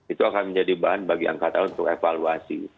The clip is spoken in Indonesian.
itu akan menjadi bahan bagi angkatan untuk evaluasi